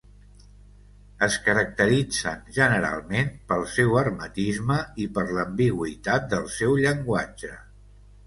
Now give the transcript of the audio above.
Es caracteritzen generalment pel seu hermetisme i per l'ambigüitat del seu llenguatge.